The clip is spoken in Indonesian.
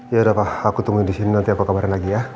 yaudah pak aku tunggu di sini nanti aku kabarin lagi ya